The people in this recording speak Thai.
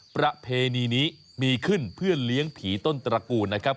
ประเพณีนี้มีขึ้นเพื่อเลี้ยงผีต้นตระกูลนะครับ